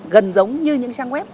gần giống như những trang web